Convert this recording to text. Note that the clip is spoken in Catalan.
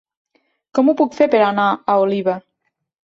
Com ho puc fer per anar a Oliva?